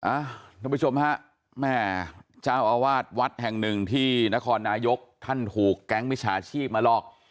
ท่านผู้ชมฮะแม่เจ้าอาวาสวัดแห่งหนึ่งที่นครนายกท่านถูกแก๊งมิจฉาชีพมาหลอก